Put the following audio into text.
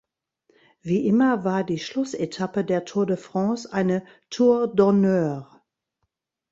Wie immer war die Schlussetappe der Tour de France eine "Tour d'honneur".